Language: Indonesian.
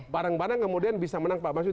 barang barang kemudian bisa menang pak basuki